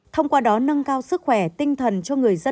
thông qua đó nâng cao sức khỏe tinh thần cho người dân